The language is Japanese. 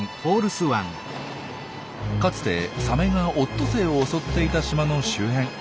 かつてサメがオットセイを襲っていた島の周辺。